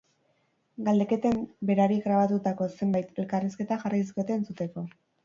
Galdeketan, berari grabatutako zenbait elkarrizketa jarri dizkiote entzuteko.